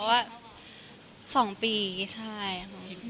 คิดแม่คิดไปทำสักปีแล้ว